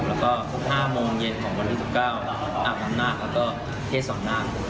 แล้วก็ทุก๕โมงเย็นของวัน๒๙นอาบน้ำนาคแล้วก็เทศสอนนาค